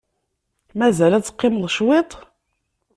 Mazal ad teqqimeḍ cwiṭ?